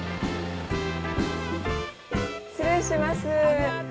失礼します。